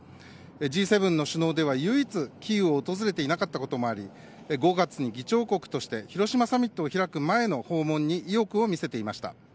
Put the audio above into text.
Ｇ７の首脳では唯一キーウを訪れていなかったこともあり５月に議長国として広島サミットを開く前の訪問に意欲を見せていました。